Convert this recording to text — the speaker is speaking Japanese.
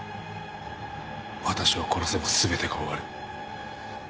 私を殺せば全てが終わる。